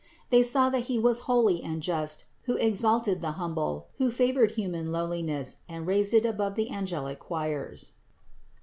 They saw that He was holy and just, who exalted the humble, who favored human lowliness and raised it above the angelic choirs.